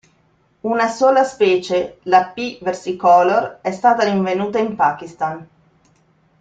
Una sola specie, la P. versicolor, è stata rinvenuta in Pakistan.